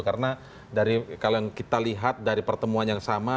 karena dari kalau yang kita lihat dari pertemuan yang sama